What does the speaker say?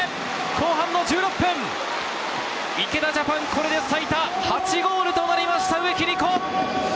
後半１６分、池田ＪＡＰＡＮ、これで最多８ゴールとなりました、植木理子！